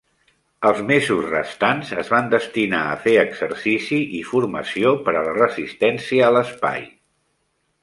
Els mesos restants es van destinar a fer exercici i formació per a la resistència a l'espai.